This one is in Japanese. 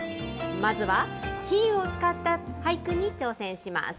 まずは、比喩を使った俳句に挑戦します。